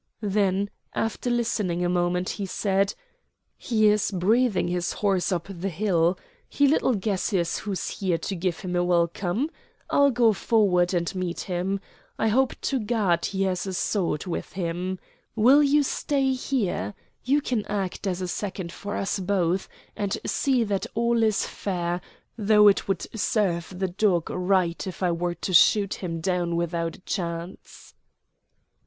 Then, after listening a moment, he said: "He is breathing his horse up the hill. He little guesses who's here to give him a welcome. I'll go forward and meet him. I hope to God he has a sword with him. Will you stay here? You can act as second for us both, and see that all is fair, though it would serve the dog right if I were to shoot him down without a chance."